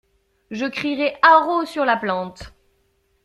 Je crierai haro sur la plante.